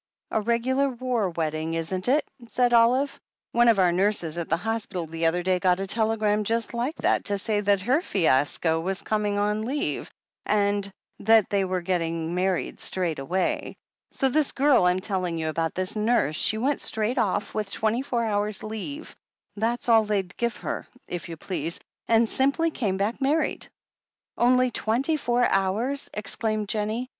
"A regular war wedding, isn't it?" said Olive. "One of our nurses at the hospital the other day got a tele gram just like that to say that her fiasco was coming on leave, and they were to get married straight away. So this girl I'm telling you about, this nurse — she went straight off with twenty four hours' leave — that was all they'd give her, if you please — and simply came back married." "Only twenty four hours!" exclaimed Jennie.